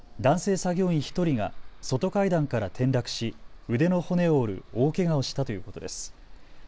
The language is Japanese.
作業員１人が外階段から転落し腕の骨を折る大けがをしたということです。